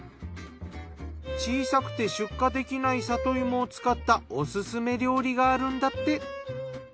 小さくて出荷できない里芋を使ったオススメ料理があるんだって。